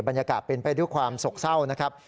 บรรยากาศเป็นไปด้วยความโศกเศร้านะครับ